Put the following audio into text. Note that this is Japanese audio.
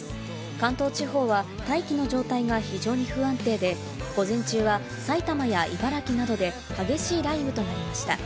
関東地方は大気の状態が非常に不安定で、午前中は埼玉や茨城などで激しい雷雨となりました。